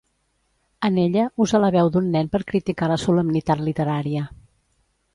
En ella usa la veu d'un nen per criticar la solemnitat literària.